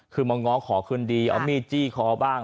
คือมาง้อขอคืนดีเอามีดจี้คอบ้าง